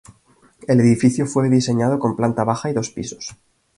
El edificio fue diseñado con planta baja y dos pisos.